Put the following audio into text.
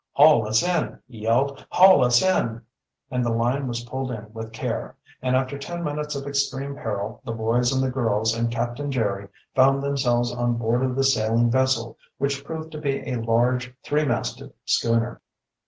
"Haul us in!" he yelled. "Haul us in!" And the line was pulled in with care, and after ten minutes of extreme peril the boys and the girls and Captain Jerry found themselves on board of the sailing vessel, which proved to be a large three masted schooner.